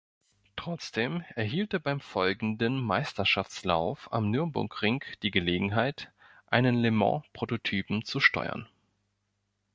Trotzdem erhielt er beim folgenden Meisterschaftslauf am Nürburgring die Gelegenheit einen Le-Mans-Prototypen zu steuern.